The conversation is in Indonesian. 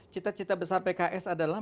cita cita besar pks adalah